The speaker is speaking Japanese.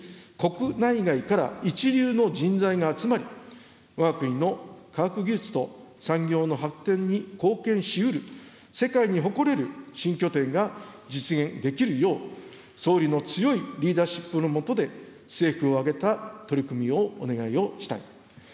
将来的には福島の被災地に、国内外から一流の人材が集まり、わが国の科学技術と産業の発展に貢献しうる、世界に誇れる新拠点が実現できるよう、総理の強いリーダーシップの下で、政府を挙げた取り組みをお願いをしたい。